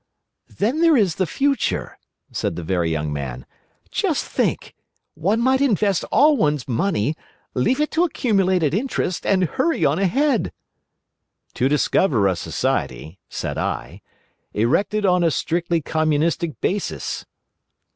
"Then there is the future," said the Very Young Man. "Just think! One might invest all one's money, leave it to accumulate at interest, and hurry on ahead!" "To discover a society," said I, "erected on a strictly communistic basis."